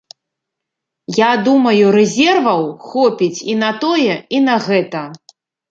Я думаю, рэзерваў хопіць і на тое, і на гэта.